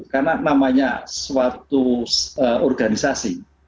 karena namanya suatu organisasi